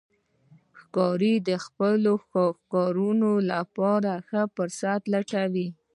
ښکاري د خپلو ښکارونو لپاره ښه فرصت لټوي.